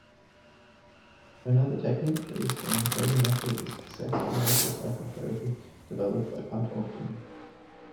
Another technique based on the Hakomi Method is Sensorimotor Psychotherapy, developed by Pat Ogden.